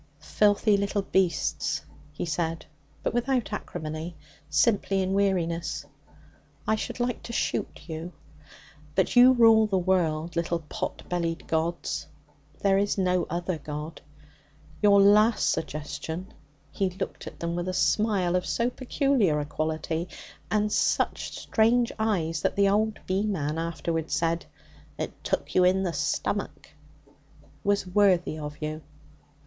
'Filthy little beasts!' he said, but without acrimony, simply in weariness. 'I should like to shoot you; but you rule the world little pot bellied gods. There is no other God. Your last suggestion (he looked at them with a smile of so peculiar a quality and such strange eyes that the old beeman afterwards said "It took you in the stomach") was worthy of you.